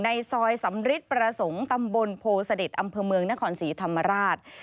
ในซอยสำริทประสงค์ตำบลโพเสด็จอำเภอเมืองนครศรีธรรมราช